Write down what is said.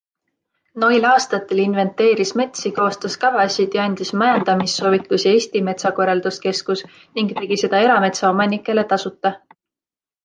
Noil aastatel inventeeris metsi, koostas kavasid ja andis majandamissoovitusi Eesti Metsakorralduskeskus ning tegi seda erametsaomanikele tasuta.